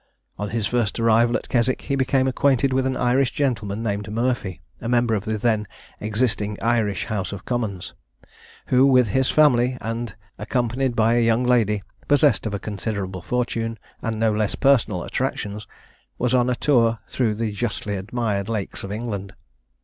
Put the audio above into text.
On his first arrival at Keswick, he became acquainted with an Irish gentleman named Murphy, a member of the then existing Irish House of Commons, who with his family, and accompanied by a young lady, possessed of a considerable fortune, and no less personal attractions, was on a tour through the justly admired lakes of England.